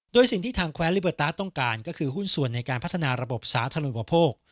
โดยสิ่งที่ทางแคว้นลิเบอร์ตาร์ทต้องการก็คือหุ้นส่วนในการพัฒนาระบบสาธารณูปโภค